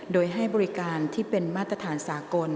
โดยให้บริการที่เป็นมาตรฐานสากล